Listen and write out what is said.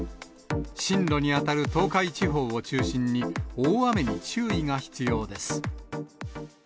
進路に当たる東海地方を中心に、大雨に注意が必要です。